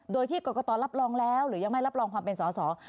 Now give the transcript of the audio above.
โดยที่กรกตรับรองแล้วหรือยังไม่รับรองความเป็นสอสอ